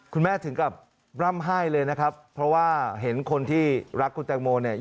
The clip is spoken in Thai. ถึงกับร่ำไห้เลยนะครับเพราะว่าเห็นคนที่รักคุณแตงโมเนี่ย